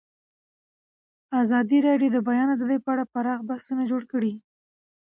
ازادي راډیو د د بیان آزادي په اړه پراخ بحثونه جوړ کړي.